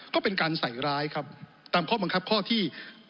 ก็เป็นการใส่ร้ายครับตามข้อบังคับข้อที่